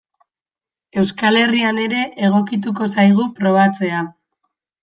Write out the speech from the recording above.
Euskal Herrian ere egokituko zaigu probatzea.